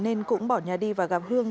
nên cũng bỏ nhà đi và gặp hương